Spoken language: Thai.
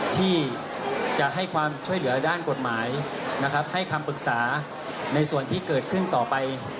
ที่จะให้ความช่วยเหลือด้านกฎหมายนะครับให้คำปรึกษาในส่วนที่เกิดขึ้นต่อไป